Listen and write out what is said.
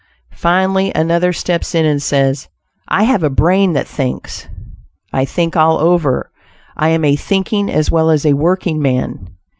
Finally another steps in and says, "I have a brain that thinks; I think all over; I am a thinking as well as a working man!"